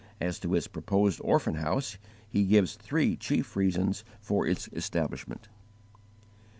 As to his proposed orphan house he gives three chief reasons for its establishment: 1.